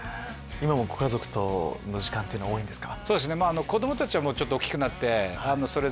今もご家族との時間っていうのは多いんですか？